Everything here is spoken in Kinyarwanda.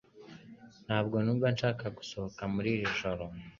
Ntabwo numva nshaka gusohoka muri iri joro